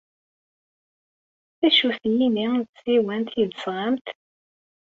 D acu-t yini n tsiwant ay d-tesɣamt?